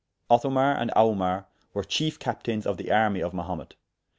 Othomar and Aumar were chief captaynes of the army of Mahumet.